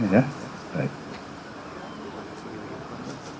pesimis berkait dengan hak haket ini pak